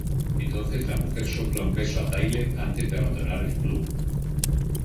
Entonces la mujer sopla un beso a Tyler antes de abandonar el club.